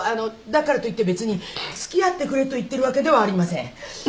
だからといって別に付き合ってくれと言ってるわけではありません。